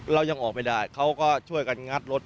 เรายังออกไม่ได้เขาก็ช่วยกันงัดรถ